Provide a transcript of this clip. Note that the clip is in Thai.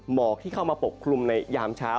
หมอกที่เข้ามาปกคลุมในยามเช้า